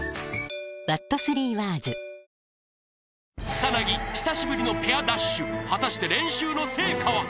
草薙久しぶりのペアダッシュ果たして練習の成果は？